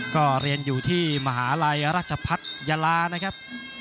ก็เรียนอยู่ที่มหาลัยราชพัฒนยาลานะครับ